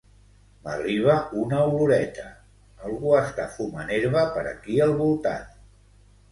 M'arriba una oloreta, algú està fumant herba per aquí el voltant